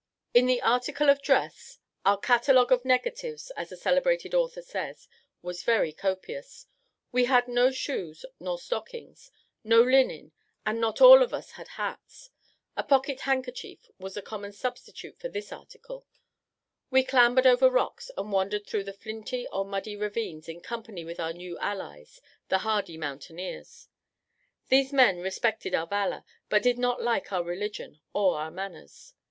In the article of dress, our "catalogue of negatives," as a celebrated author says, "was very copious;" we had no shoes nor stockings no linen, and not all of us had hats a pocket handkerchief was the common substitute for this article; we clambered over rocks, and wandered through the flinty or muddy ravines in company with our new allies, the hardy mountaineers. These men respected our valour, but did not like our religion or our manners.